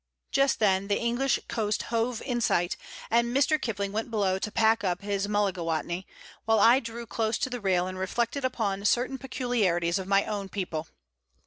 Just then the English coast hove in sight, and Mr. Kipling went below to pack up his mullagatawny, while I drew close to the rail and reflected upon certain peculiarities of my own people.